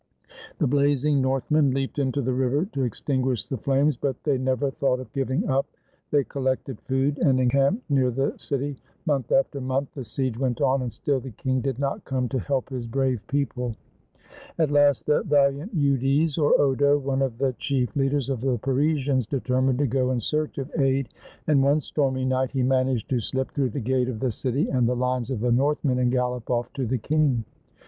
The blazing Northmen leaped into the river to extinguish the flames, but they never thought of giving up. They collected food and encamped near the city. Month after month the siege went on, and still the king did not come to help his brave people. 170 ROLLO THE VIKING At last the valiant Eudes, or Odo, one of the chief leaders of the Parisians, determined to go in search of aid, and one stormy night he managed to slip through the gate of the city and the lines of the Northmen, and gallop off to the king.